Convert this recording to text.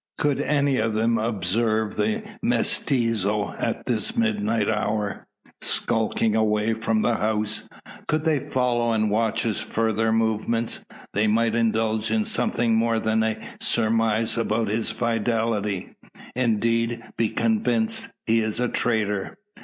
Could any of them observe the mestizo at this midnight hour, skulking away from the house; could they follow and watch his further movements, they might indulge in something more than a surmise about his fidelity; indeed, be convinced he is a traitor.